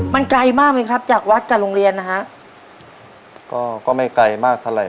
มันไกลมากไหมครับจากวัดกับโรงเรียนนะฮะก็ก็ไม่ไกลมากเท่าไหร